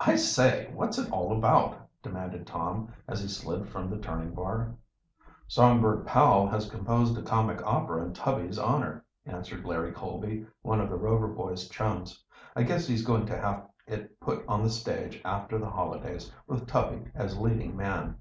"I say, what's it all about?" demanded Tom, as he slid from the turning bar. "Songbird Powell has composed a comic opera in Tubby's honor," answered Larry Colby, one of the Rover boys' chums. "I guess he's going to have it put on the stage after the holidays, with Tubby as leading man."